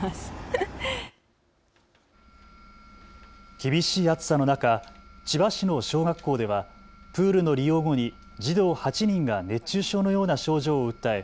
厳しい暑さの中、千葉市の小学校ではプールの利用後に児童８人が熱中症のような症状を訴え